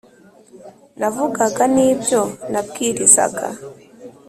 Navugaga n ibyo nabwirizaga